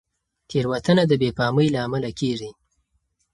تېروتنه د بې پامۍ له امله کېږي.